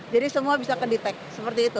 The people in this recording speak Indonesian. jadi semua bisa kreditek seperti itu